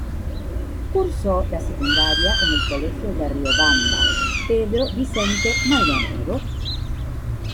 Cursó la secundaria en el colegio de Riobamba, Pedro Vicente Maldonado.